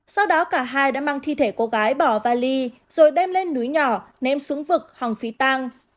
sau đó cả hai đã mang thi thể cô gái bỏ vali rồi đem lên núi nhỏ ném xuống vực hòng phí tăng